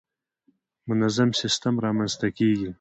منظم سیستم رامنځته کېږي.